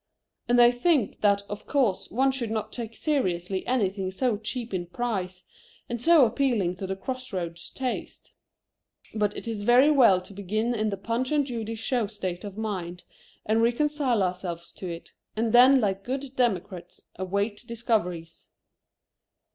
And they think that of course one should not take seriously anything so cheap in price and so appealing to the cross roads taste. But it is very well to begin in the Punch and Judy show state of mind, and reconcile ourselves to it, and then like good democrats await discoveries.